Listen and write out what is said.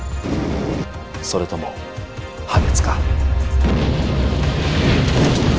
それとも破滅か。